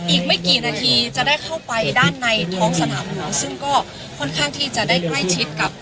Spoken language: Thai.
อีกไม่กี่นาทีจะได้เข้าไปด้านในท้องสนามหลวงซึ่งก็ค่อนข้างที่จะได้ใกล้ชิดกับ